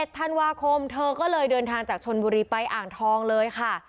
ธันวาคมเธอก็เลยเดินทางจากชนบุรีไปอ่างทองเลยค่ะ